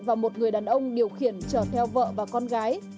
và một người đàn ông điều khiển trở theo vợ và con gái